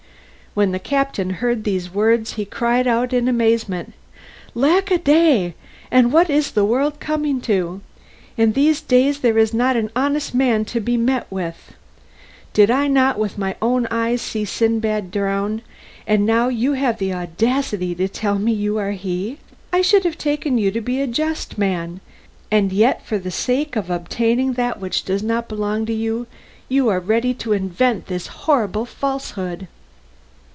When the captain heard these words he cried out in amazement, "Lackaday! and what is the world coming to? In these days there is not an honest man to be met with. Did I not with my own eyes see Sindbad drown, and now you have the audacity to tell me that you are he! I should have taken you to be a just man, and yet for the sake of obtaining that which does not belong to you, you are ready to invent this horrible falsehood."